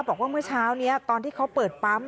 บอกว่าเมื่อเช้านี้ตอนที่เขาเปิดปั๊ม